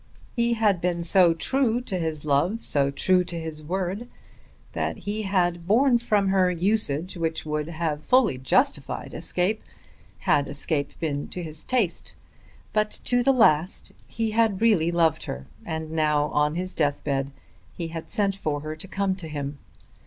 He had been so true to his love, so true to his word, that he had borne from her usage which would have fully justified escape had escape been to his taste. But to the last he had really loved her, and now, on his death bed, he had sent for her to come to him.